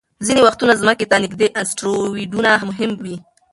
ځینې وختونه ځمکې ته نږدې اسټروېډونه مهم وي.